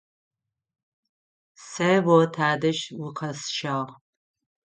Сэ о тадэжь укъэсщагъ.